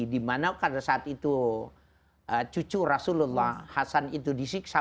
dimana pada saat itu cucu rasulullah hasan itu disiksa